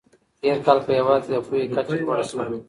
تېر کال په هېواد کې د پوهې کچه لوړه سوه.